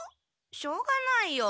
しょうがないよ。